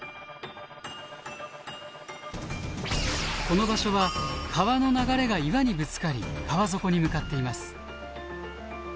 この場所は川の流れが岩にぶつかり川底に向かっています。